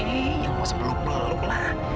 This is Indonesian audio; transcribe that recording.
eh yang pas beluk beluk lah